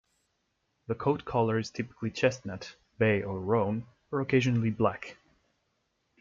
The coat color is typically chestnut, bay or roan, or occasionally Black.